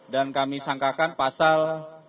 dan kami sangkakan pasal